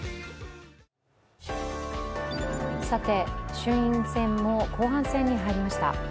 衆院選も後半戦に入りました。